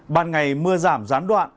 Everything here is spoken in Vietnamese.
ban ngày mưa giảm gián đoạn